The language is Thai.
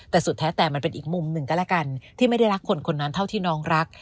แต่สุดแท้แต่มันเป็นอีกมุมหนึ่งก็แล้วกันที่ไม่ได้รักคนคนนั้นเท่าที่น้องรัก